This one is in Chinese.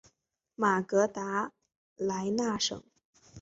马格达莱纳省。